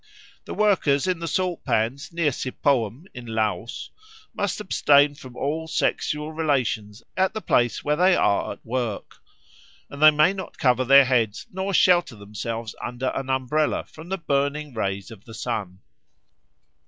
The workers in the salt pans near Siphoum, in Laos, must abstain from all sexual relations at the place where they are at work; and they may not cover their heads nor shelter themselves under an umbrella from the burning rays of the sun.